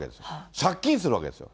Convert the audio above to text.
借金するわけですよ。